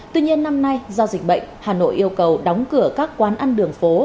tuy nhiên năm nay do dịch bệnh hà nội yêu cầu đóng cửa các quán ăn đường phố